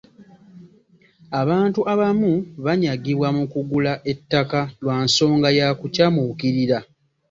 Abantu abamu banyagibwa mu kugula ettaka lwa nsonga ya kukyamuukirira.